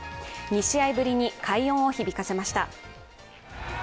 ２試合ぶりに快音を響かせました。